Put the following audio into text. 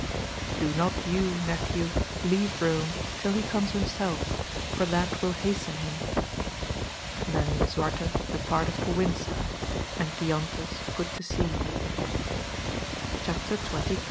Do not you, nephew, leave Kome till he comes himself, for that will hasten him. Then Lisuarte departed for Windsor, and Giontes put to sea. Chap. XXIY.